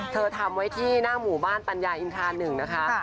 ทำไว้ที่หน้าหมู่บ้านปัญญาอินทรา๑นะคะ